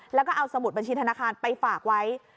แล้วก็เอาสมุดบัญชีธนาคารไปฝากไว้